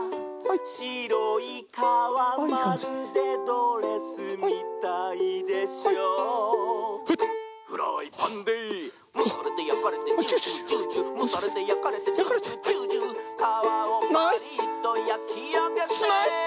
「しろいかわまるでドレスみたいでしょ」「フライパンでむされてやかれてジュージュージュージュー」「むされてやかれてジュージュージュージュー」「かわをパリッとやきあげて」